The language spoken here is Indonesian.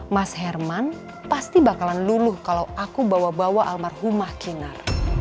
mas herman pasti bakalan luluh kalau aku bawa bawa almarhumah kinar